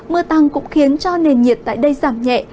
mưa tăng cũng khiến cho nền nhiệt tại đây giảm nhẹ